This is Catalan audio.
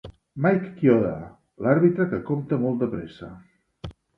Mike Chioda, l'àrbitre que compta molt de pressa